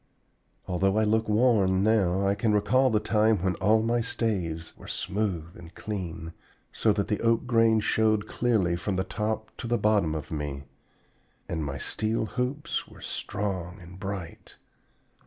Although I look worn now, I can recall the time when all my staves were smooth and clean, so that the oak grain showed clearly from the top to the bottom of me, and my steel hoops were strong and bright.